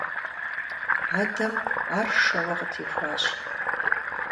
Адэм ар шэуэ къытехуащ.